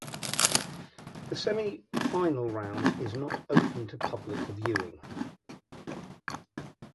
The semifinal round is not open to public viewing.